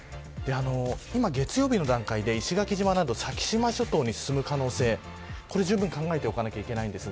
今、月曜日の段階で石垣島など先島諸島に進む可能性を考えておかなくてはいけません。